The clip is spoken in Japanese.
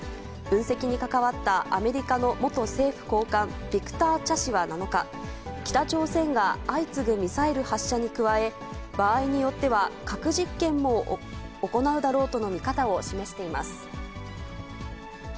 分析に関わったアメリカの元政府高官、ビクター・チャ氏は７日、北朝鮮が相次ぐミサイル発射に加え、場合によっては、核実験も行うだろうとの見方を示しています。